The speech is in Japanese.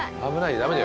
ダメだよ。